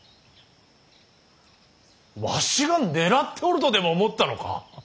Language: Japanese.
わしが狙っておるとでも思ったのか。